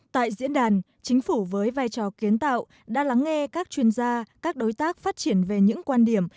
tại diễn đàn chính phủ với vai trò kiến tạo đã lắng nghe các chuyên gia các đối tác phát triển về những quan điểm